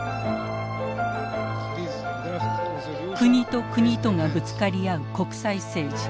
国と国とがぶつかり合う国際政治。